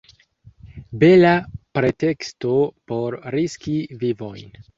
Bela preteksto por riski vivojn!